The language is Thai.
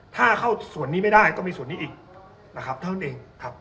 ถ้าเข้าส่วนนี้ไม่ได้ต้องมีส่วนนี้อีกนะครับเท่านั้นเองครับ